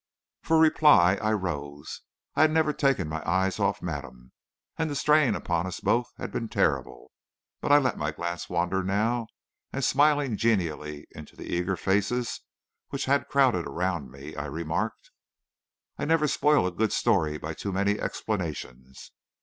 For reply I rose. I had never taken my eye off madame, and the strain upon us both had been terrible; but I let my glance wander now, and smiling genially into the eager faces which had crowded around me, I remarked: "I never spoil a good story by too many explanations.